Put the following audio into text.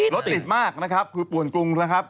รถติดมากนะครับคือป่วนกรุงนะครับ